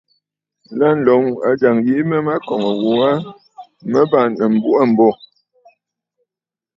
Lâ, ǹloŋ ajàŋ yìi mə mə̀ kɔ̀ŋə gho aa, mə bàŋnə̀ m̀buꞌu aa m̀bô.